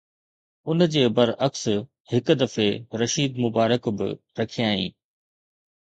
ان جي برعڪس، هڪ دفعي رشيد مبارڪ به رکيائين